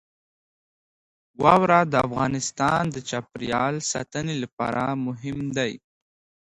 واوره د افغانستان د چاپیریال ساتنې لپاره مهم دي.